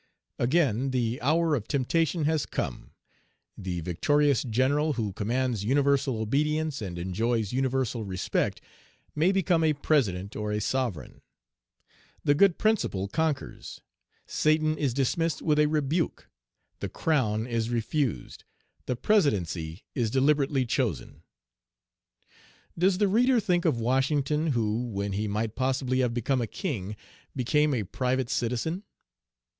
Again the hour of temptation has come. The victorious general who commands universal obedience and enjoys universal respect may become a president or a sovereign. The good principle conquers; Satan is dismissed with a rebuke; the crown is refused; the presidency is deliberately chosen. Does the reader think of Washington, who, when he might possibly have become a king, became a private citizen?